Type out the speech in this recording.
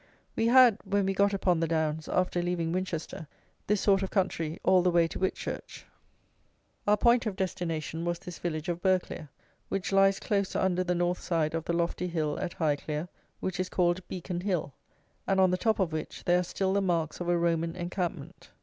We had, when we got upon the downs, after leaving Winchester, this sort of country all the way to Whitchurch. Our point of destination was this village of Burghclere, which lies close under the north side of the lofty hill at Highclere, which is called Beacon Hill, and on the top of which there are still the marks of a Roman encampment.